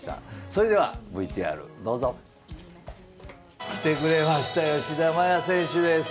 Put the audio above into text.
それではＶＴＲ、どうぞ。来てくれました吉田麻也選手です。